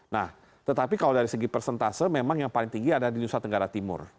nah tetapi kalau dari segi persentase memang yang paling tinggi ada di nusa tenggara timur